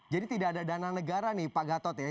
jadi tidak ada dana negara nih pak gatot ya